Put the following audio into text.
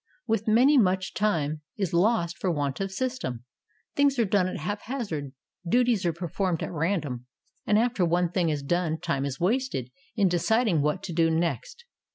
With many much time is lost for want of sys tem. Things are done at haphazard, duties are performed at random, and after one thing is done time is wasted in deciding what to do next.